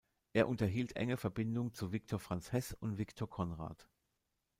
Er unterhielt enge Verbindung zu Victor Franz Hess und Viktor Conrad.